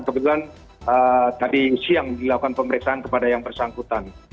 kebetulan tadi siang dilakukan pemeriksaan kepada yang bersangkutan